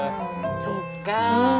そっか！